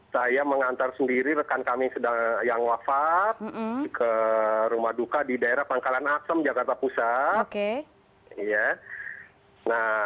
saya mengantar sendiri rekan kami yang wafat ke rumah duka di daerah pangkalan asem jakarta pusat